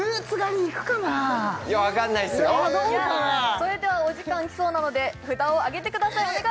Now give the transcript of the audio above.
それではお時間きそうなので札をあげてください